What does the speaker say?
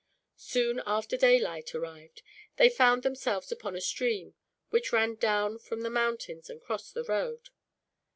Soon after daylight arrived they found themselves upon a stream, which ran down from the mountains and crossed the road.